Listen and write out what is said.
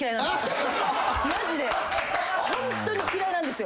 ホントに嫌いなんですよ。